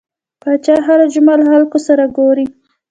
پاچا هر جمعه له خلکو سره ګوري .